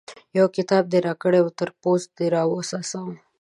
يو کتاب دې راکړی وو؛ تر پوست دې راوڅڅاوو.